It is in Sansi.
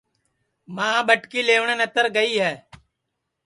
ماں ٻٹکی لیوٹؔیں نتر گئی ہے